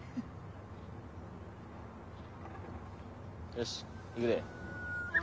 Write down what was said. よし行くで。